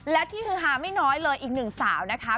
และที่ฮือฮาไม่น้อยเลยอีกหนึ่งสาวนะคะ